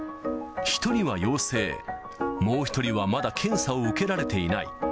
１人は陽性、もう１人はまだ検査を受けられていない。